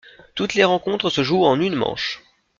Toutes les rencontres se jouent en une manche.